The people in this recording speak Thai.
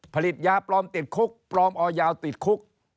ผลิตยาปลอมติดคุกปลอมออยาวติดคุก